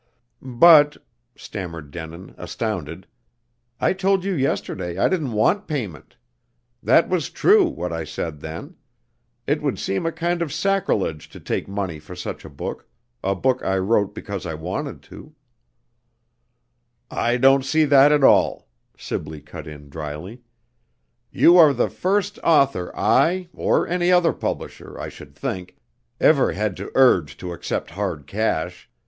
"But," stammered Denin, astounded. "I told you yesterday I didn't want payment. That was true, what I said then. It would seem a kind of sacrilege to take money for such a book a book I wrote because I wanted to " "I don't see that at all," Sibley cut in dryly. "You are the first author I or any other publisher, I should think ever had to urge to accept hard cash.